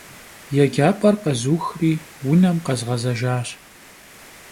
Yêcap'er khezuxri vunem khezğezejjaş.